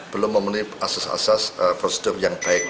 belum memenuhi asas asas prosedur yang baik